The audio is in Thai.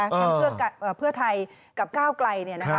ทั้งเพื่อไทยกับก้าวไกล